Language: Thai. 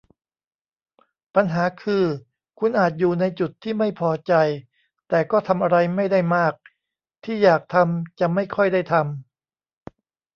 ปัญหาคือคุณอาจอยู่ในจุดที่ไม่พอใจ แต่ก็ทำอะไรไม่ได้มาก ที่อยากทำจะไม่ค่อยได้ทำ